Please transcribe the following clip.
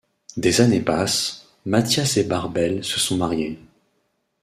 Des années passent, Mathias et Bärbel se sont mariés.